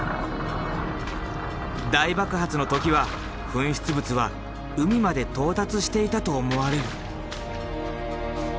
大爆発の時は噴出物は海まで到達していたと思われる。